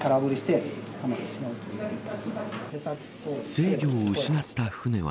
制御を失った舟は。